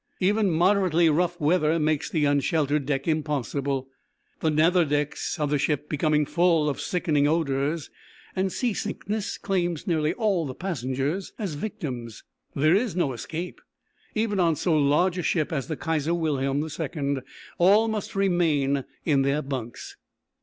Even moderately rough weather makes the unsheltered deck impossible; the nether decks of the ship become full of sickening odours and seasickness claims nearly all the passengers as victims. There is no escape; even on so large a ship as the Kaiser Wilhelm II all must remain in their bunks.